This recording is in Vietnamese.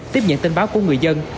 tiếp nhận tin báo của người dân